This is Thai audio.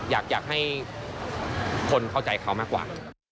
อยากให้คนเข้าใจเขามากกว่า